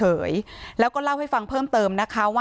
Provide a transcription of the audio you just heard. ที่โพสต์ก็คือเพื่อต้องการจะเตือนเพื่อนผู้หญิงในเฟซบุ๊คเท่านั้นค่ะ